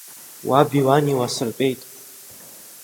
Уаби уани ласыртәеит.